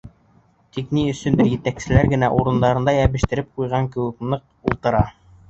Тик ни өсөндөр етәкселәр генә урындарында йәбештереп ҡуйған кеүек ныҡ ултыра.